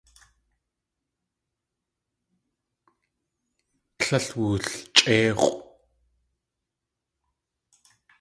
Tlél wulchʼéix̲ʼw.